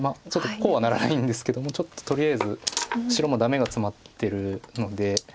こうはならないんですけどもちょっととりあえず白もダメがツマってるので。